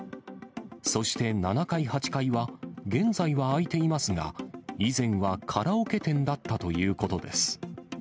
そして７階、８階は現在は空いていますが、以前はカラオケ店だったということです。